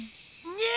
ねえ。